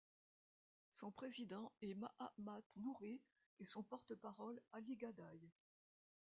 Son président est Mahamat Nouri et son porte-parole Ali Gadaye.